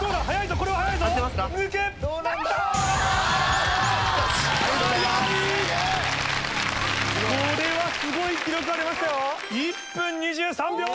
これはすごい記録が出ましたよ！